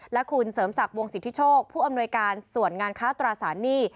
และคุณเสริมศักดิ์วงสิทธิโชคผู้อำนวยการส่วนงานค้าตราสารหนี้